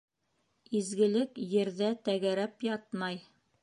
Изгелек ерҙә тәгәрәп ятмай.